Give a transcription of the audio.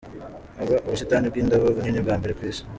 Haba ubusitani bw’indabo bunini bwa mbere ku isi.